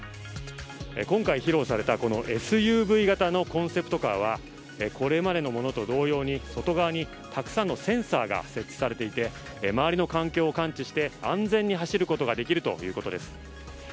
今回披露されたＳＵＶ型のコンセプトカーはこれまでのものと同様に外側にたくさんのセンサーが設置されていて周りの環境を感知して安全に走ることができるということです。